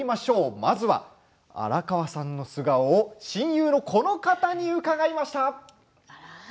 まずは荒川さんの素顔を親友のこの方に伺いました。